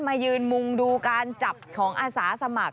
มายืนมุงดูการจับของอาสาสมัคร